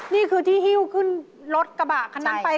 นี่คือที่ฮิ้วขึ้นรถกระบะคันนั้นไป